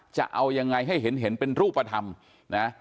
จะเอายังไงให้เห็นเป็นรูปธรรมนะ